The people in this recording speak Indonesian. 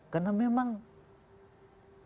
karena memang tadi errornya sangat